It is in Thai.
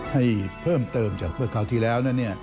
ให้เพิ่มเติมจากเมื่อคราวที่แล้ว